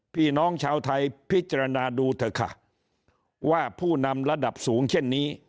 พี่น้องชาวไทยพิจารณาดูเถอะค่ะว่าผู้นำระดับสูงเช่นนี้